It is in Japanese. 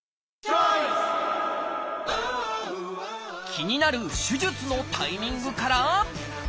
気になる手術のタイミングから。